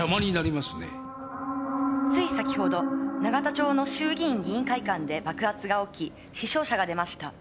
「つい先ほど永田町の衆議院議員会館で爆発が起き死傷者が出ました」